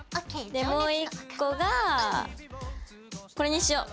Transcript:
もう１個がこれにしよう！